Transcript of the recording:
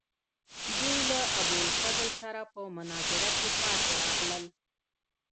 دوی له ابوالفضل سره په مناظره کې پاتې راغلل.